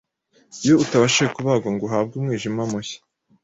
iyo utabashije kubagwa ngo uhabwe umwijima mushya